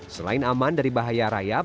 selain aman dari bahaya rayap